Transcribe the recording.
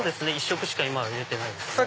１色しか今は入れてないですね。